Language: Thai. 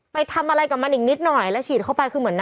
ไปทำอะไรกับมันอีกนิดหน่อยแล้วฉีดเข้าไปคือเหมือน